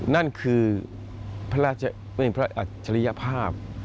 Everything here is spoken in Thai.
นั่นคือพระราชอัจริยภาพ